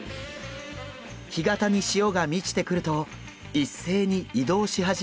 干潟に潮が満ちてくると一斉に移動し始めました。